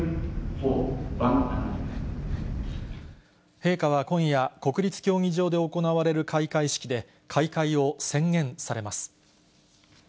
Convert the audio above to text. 陛下は今夜、国立競技場で行われる開会式で、開会を宣言されます。